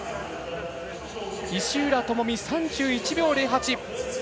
石浦智美、３１秒０８。